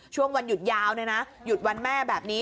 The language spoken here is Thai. ช่วงวันหยุดยาวหยุดวันแม่แบบนี้